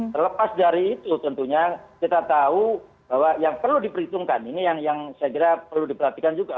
terlepas dari itu tentunya kita tahu bahwa yang perlu diperhitungkan ini yang saya kira perlu diperhatikan juga